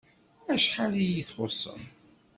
Acḥal iyi-txuṣṣem!